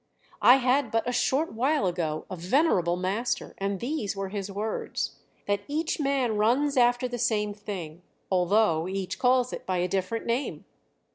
I had but a short while ago a venerable master, and these were his words: 'That each man runs after the same thing, although each calls it by a different name.'